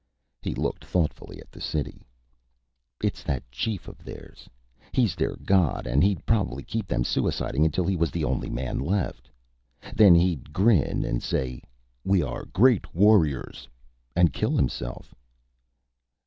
He looked thoughtfully at the city. "It's that chief of theirs. He's their god and he'd probably keep them suiciding until he was the only man left. Then he'd grin, say, 'We are great warriors,' and kill himself."